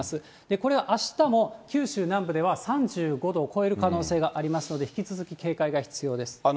これはあしたも、九州南部では３５度を超える可能性がありますので、引き続き警戒が必要です。